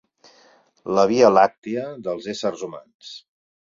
La via làctica dels éssers humans.